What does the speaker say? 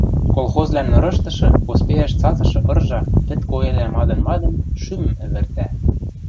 Колхозвлӓн нырыштышы поспейӓш цацышы ыржа, вӹд коэлӓ мадын-мадын, шӱмӹм ӹвӹртӓ.